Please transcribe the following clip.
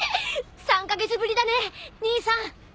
３カ月ぶりだね兄さん！